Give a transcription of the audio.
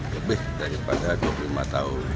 lebih daripada dua puluh lima tahun